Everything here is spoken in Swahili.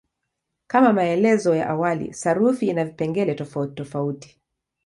Kama maelezo ya awali, sarufi ina vipengele tofautitofauti.